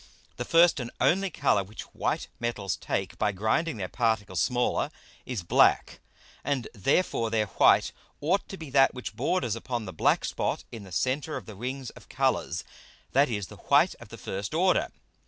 The first and only Colour which white Metals take by grinding their Particles smaller, is black, and therefore their white ought to be that which borders upon the black Spot in the Center of the Rings of Colours, that is, the white of the first order.